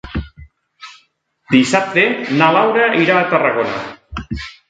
Dissabte na Laura irà a Tarragona.